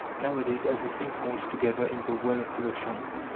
Nowadays everything holds together in the world of production.